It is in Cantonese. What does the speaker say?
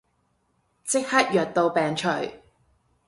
即刻藥到病除